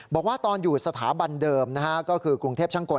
บอกว่าตอนอยู่สถาบันเดิมนะฮะก็คือกรุงเทพช่างกล